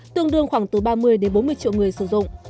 tương đương khoảng từ ba mươi đến bốn mươi triệu người sử dụng